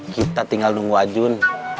kita tinggal nunggu ajun